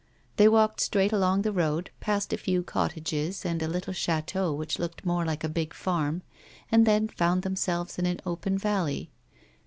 They walked straight along the road, passed a few cottages and a little chateau which looked more like a big farm, and then foimd themselves in an open valley.